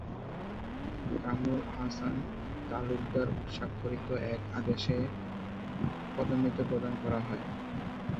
কামরুল আহসান তালুকদার স্বাক্ষরিত এক আদেশে এ পদোন্নতি প্রদান করা হয়।